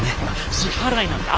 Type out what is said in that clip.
支払いなんて後！